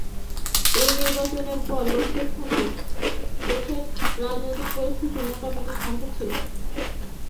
এই নির্বাচনের পর বছর খানেক দেশের রাজনৈতিক পরিস্থিতি মোটামুটি শান্ত ছিল।